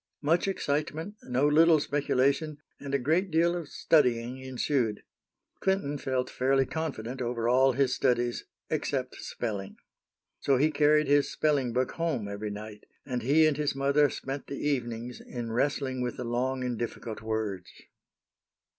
Much excitement, no little speculation, and a great deal of studying ensued. Clinton felt fairly confident over all his studies except spelling. So he carried his spelling book home every night, and he and his mother spent the evenings in wrestling with the long and difficult words.